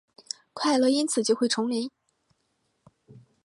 快乐因此就会重临？